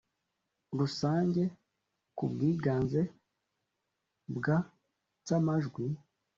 rusange ku bwiganze bwa by amajwi